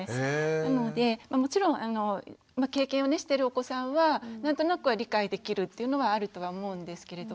なのでもちろん経験をしてるお子さんは何となくは理解できるっていうのはあるとは思うんですけれども。